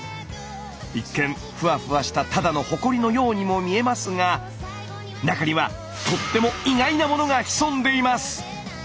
一見ふわふわしたただのホコリのようにも見えますが中にはとっても意外なものが潜んでいます！